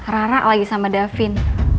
rara lagi sama davin